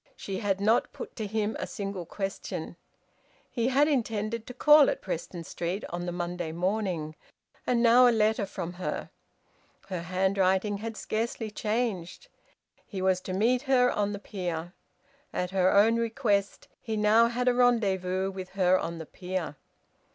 She had not put to him a single question. He had intended to call at Preston Street on the Monday morning. And now a letter from her! Her handwriting had scarcely changed. He was to meet her on the pier. At her own request he now had a rendezvous with her on the pier!